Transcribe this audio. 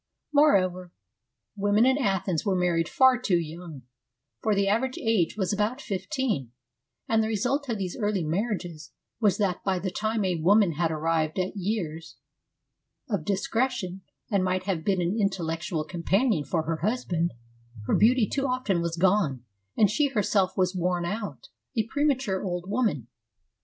Moreover, women in Athens were married far too young, for the average age was about fifteen, and the result of these early marriages was that by the time a woman had arrived at years of discretion and might have been an intellectual companion for her husband, her beauty too often was gone and she herself was worn out, a premature old woman.